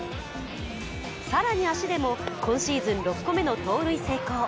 更に足でも今シーズン６個目の盗塁成功。